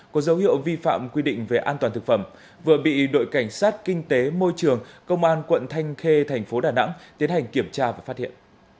có dấu hiệu vi phạm quy định về an toàn thực phẩm vừa bị đội cảnh sát kinh tế môi trường công an quận thanh khê tp hcm tiến hành kiểm tra và phát hiện